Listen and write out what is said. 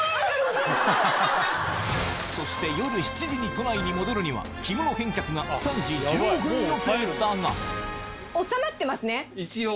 そして夜７時に都内に戻るには着物返却が３時１５分予定だが一応。